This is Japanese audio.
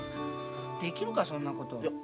できるかそんなこと。